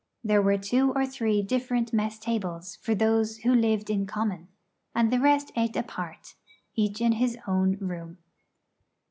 There were two or three different mess tables for those who lived in common; and the rest ate apart, each in his own room.